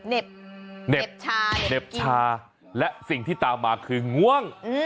เหน็บชาเหน็บชาและสิ่งที่ตามมาคือง่วง